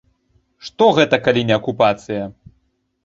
Што гэта, калі не акупацыя?